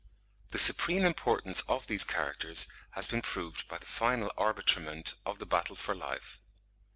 The supreme importance of these characters has been proved by the final arbitrament of the battle for life.